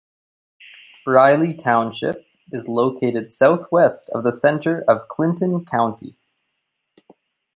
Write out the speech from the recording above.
Riley Township is located southwest of the center of Clinton County.